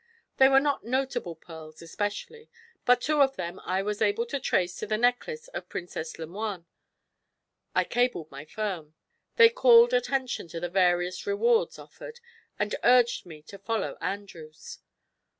They were not notable pearls, especially, but two of them I was able to trace to the necklace of Princess Lemoine. I cabled my firm. They called attention to the various rewards offered and urged me to follow Andrews.